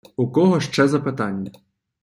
У кого ще запитання?